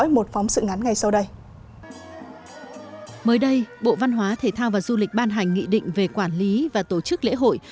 mới đây bộ văn hóa thể thao và du lịch ban hành nghị định về quản lý và tổ chức lễ hội